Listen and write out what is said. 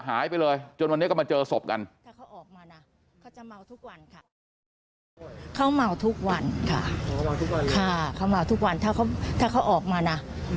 หายไปเลยจนวันนี้ก็มาเจอศพกัน